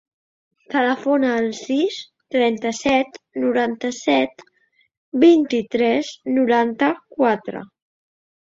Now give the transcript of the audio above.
Telefona al sis, trenta-set, noranta-set, vint-i-tres, noranta-quatre.